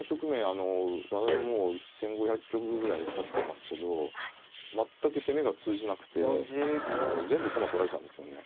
あの私もう１，５００局ぐらい指してますけど全く攻めが通じなくて全部駒取られちゃうんですよね。